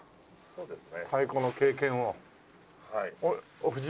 そうですね。